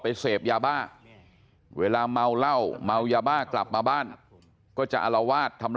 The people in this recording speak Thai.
เสพยาบ้าเวลาเมาเหล้าเมายาบ้ากลับมาบ้านก็จะอารวาสทำ